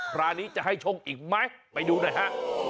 คราวนี้จะให้โชคอีกไหมไปดูหน่อยฮะ